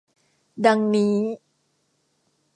ดังนี้